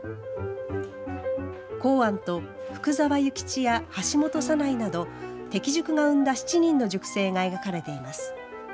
洪庵と福沢諭吉や橋本左内など適塾が生んだ７人の塾生が描かれています。